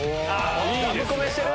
ラブコメしてる！